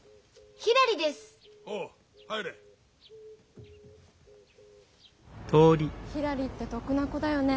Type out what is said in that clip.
ひらりって得な子だよね。